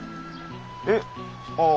えっああ